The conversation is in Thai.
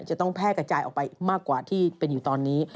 จะต้องแพร่กระจายออกไปมากกว่าที่เป็นอยู่ตอนนี้